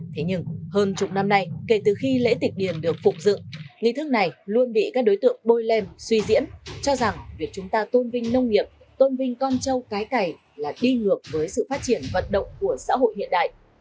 thế nhưng hơn chục năm nay kể từ khi lễ tịch điền được phục dựng nghị thức này luôn bị các đối tượng bôi lên suy diễn cho rằng việc chúng ta tôn vinh nông nghiệp tôn vinh con trâu cái cày là đi ngược với sự phát triển vận động của xã hội hiện đại